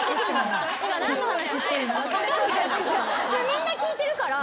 みんな聞いてるから。